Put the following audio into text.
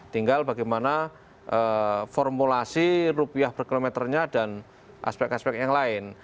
tinggal bagaimana formulasi rupiah per kilometernya dan aspek aspek yang lain